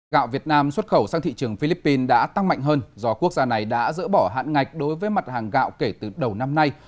gạo việt nam xuất khẩu sang thị trường philippines đã tăng mạnh hơn do quốc gia này đã dỡ bỏ hạn ngạch đối với mặt hàng gạo kể từ đầu năm nay